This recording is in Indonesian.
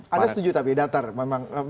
anda setuju tapi datar memang